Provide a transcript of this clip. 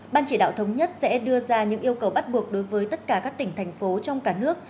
ban chỉ đạo thống nhất sẽ đưa ra những yêu cầu bắt buộc đối với tất cả các tỉnh thành phố trong cả nước